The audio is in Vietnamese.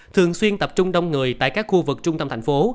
thường xuyên tập trung đông người tại các khu vực trung tâm thành phố